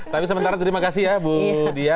tapi sementara terima kasih ya bu dia